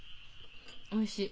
おいしい。